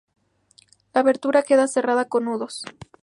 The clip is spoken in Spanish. La abertura quedaba cerrada con nudos.